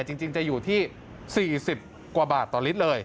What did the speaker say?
จริงจะอยู่ที่๔๐กว่าบาทต่อลิตรเลย